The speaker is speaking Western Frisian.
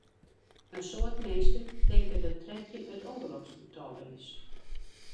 In soad minsken tinke dat trettjin in ûngeloksgetal is.